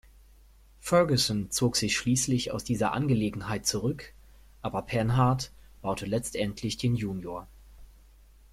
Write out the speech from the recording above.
Ferguson zog sich schließlich aus dieser Angelegenheit zurück, aber Panhard baute letztendlich den Junior.